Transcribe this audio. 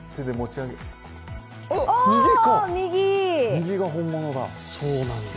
右が本物だ。